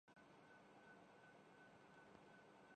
مہربان یہ فرض نبھاتے۔